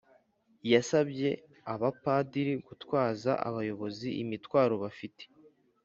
yasabye abapadirigutwaza abayobozi imitwaro bafite